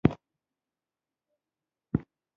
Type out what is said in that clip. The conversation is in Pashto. د توهماتو په جال کې بند بنیادمان به ولاړ وو.